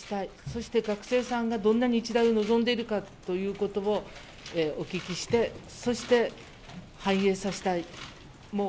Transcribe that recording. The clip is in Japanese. そして、学生さんがどんな日大を望んでいるかということをお聞きしてそして反映させたい。